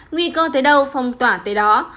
nguy cơ tới đâu phong tỏa tới đó